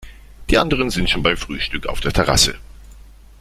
Die anderen sind schon beim Frühstück auf der Terrasse.